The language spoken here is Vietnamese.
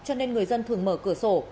cho nên người dân thường mở cửa sổ